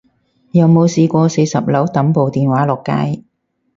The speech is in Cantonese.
有冇試過四十樓掟部電話落街